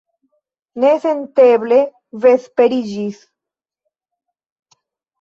Nesenteble vesperiĝis.